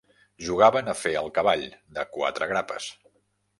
Jugaven a fer el cavall, de quatre grapes.